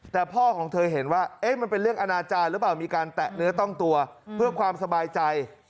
แต่พ่อของเธอเห็นว่ามันเป็นเรื่องอนาจารย์หรือเปล่ามีการแตะเนื้อต้องตัวเพื่อความสบายใจ